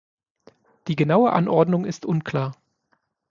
Die genaue Anordnung ist unklar.